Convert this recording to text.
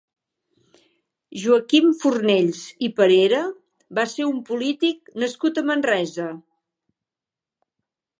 Joaquim Fornells i Parera va ser un polític nascut a Manresa.